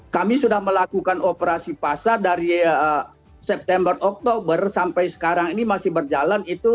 kami sudah melakukan operasi pasar dari september oktober sampai sekarang ini masih berjalan itu